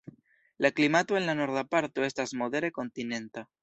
La klimato en la norda parto estas modere kontinenta.